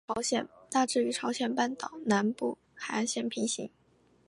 大致与朝鲜半岛南部海岸线平行。